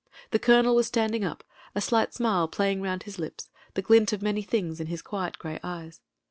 The colonel was standing up, a slight smile playing round his lips, the glint of many things in his quiet grey eyes.